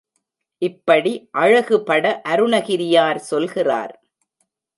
இப்படி அழகுபட அருணகிரியார் சொல்கிறார்.